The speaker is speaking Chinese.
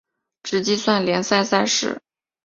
只计算联赛赛事。